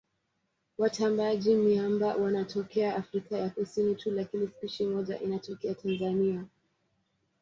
Watambaaji-miamba wanatokea Afrika ya Kusini tu lakini spishi moja inatokea Tanzania.